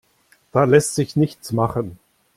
Da lässt sich nichts machen.